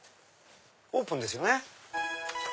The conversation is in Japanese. オープンですよね。